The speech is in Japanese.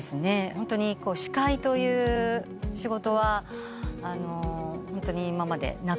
ホントに司会という仕事はホントに今までなく。